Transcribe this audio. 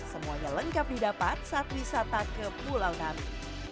semuanya lengkap didapat saat wisata ke pulau nabi